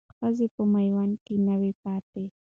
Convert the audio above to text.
ښځې په میوند کې نه وې پاتې.